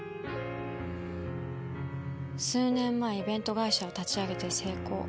数年前イベント会社を立ち上げて成功。